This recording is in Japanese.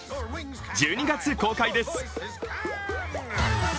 １２月公開です。